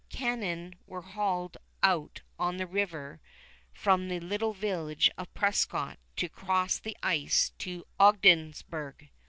Cannon were hauled out on the river from the little village of Prescott to cross the ice to Ogdensburg.